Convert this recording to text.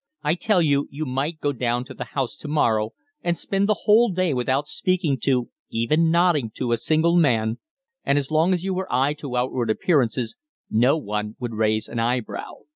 I tell you you might go down to the House to morrow and spend the whole day without speaking to, even nodding to, a single man, and as long as you were I to outward appearances no one would raise an eyebrow.